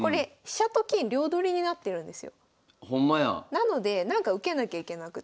なのでなんか受けなきゃいけなくて。